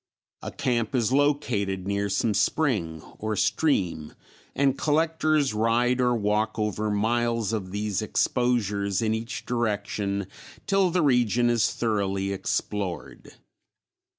A camp is located near some spring or stream and collectors ride or walk over miles of these exposures in each direction till the region is thoroughly explored.